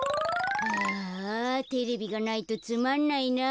ああテレビがないとつまんないな。